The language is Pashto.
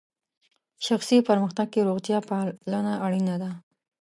شخصي پرمختګ کې روغتیا پالنه اړینه ده.